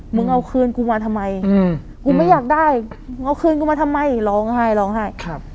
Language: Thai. มึงเอาคืนกูมาทำไมกูไม่อยากได้มึงเอาคืนกูมาทำไมร้องไห้ร้องไห้